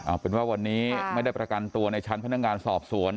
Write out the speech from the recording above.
เอาเป็นว่าวันนี้ไม่ได้ประกันตัวในชั้นพนักงานสอบสวน